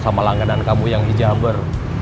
sama langganan kamu yang hijaber